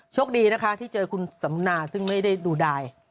โชคดีนะคะที่เจอคุณสำนาซึ่งไม่ได้ดูดาย